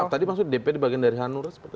tadi maksudnya dpd bagian dari hanura